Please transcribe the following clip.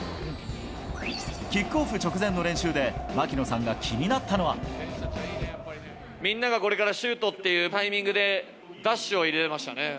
キックオフ直前の練習で、みんながこれからシュートっていうタイミングで、ダッシュを入れましたね。